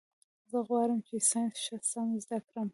زه غواړم چي ساینس ښه سم زده کړم.